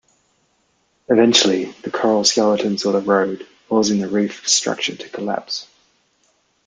Eventually, the coral skeletons will erode, causing the reef structure to collapse.